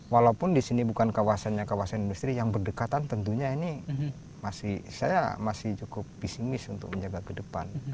walaupun di sini bukan kawasannya kawasan industri yang berdekatan tentunya ini masih saya masih cukup pesimis untuk menjaga ke depan